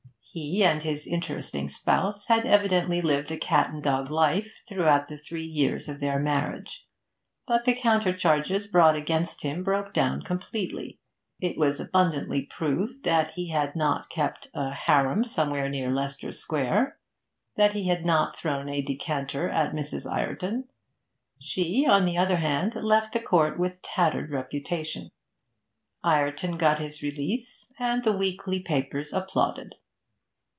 He and his interesting spouse had evidently lived a cat and dog life throughout the three years of their marriage, but the countercharges brought against him broke down completely. It was abundantly proved that he had not kept a harem somewhere near Leicester Square; that he had not thrown a decanter at Mrs. Ireton. She, on the other hand, left the court with tattered reputation. Ireton got his release, and the weekly papers applauded.